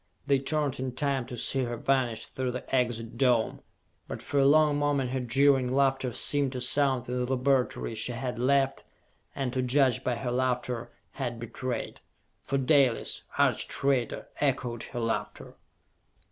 They turned in time to see her vanish through the Exit Dome; but for a long moment her jeering laughter seemed to sound in the laboratory she had left and, to judge by her laughter, had betrayed! For Dalis, arch traitor, echoed her laughter!